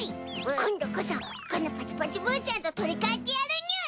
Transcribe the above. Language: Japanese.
今度こそこのパチパチブーちゃんと取り替えてやるにゅい！